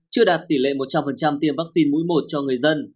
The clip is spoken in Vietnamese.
chưa đạt tỷ lệ một trăm linh tiêm vaccine mũi một cho người dân